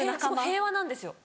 平和なんですよ。